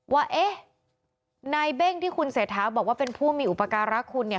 ว่าในเบ้งที่คุณเสถาบอกว่าเป็นผู้มีอุปการณ์รักคุณเนี้ย